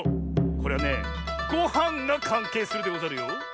これはねごはんがかんけいするでござるよ。